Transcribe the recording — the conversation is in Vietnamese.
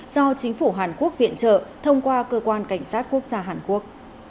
do chính phủ hàn quốc viện trợ thông qua cơ quan cảnh sát quốc gia hàn quốc